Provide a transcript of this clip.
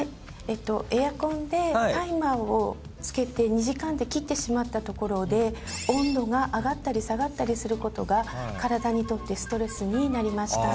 エアコンでタイマーをつけて２時間で切ってしまったところで温度が上がったり下がったりすることが体にとってストレスになりました。